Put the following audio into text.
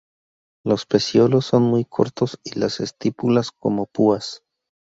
Los pecíolos son muy cortos y las estípulas como púas.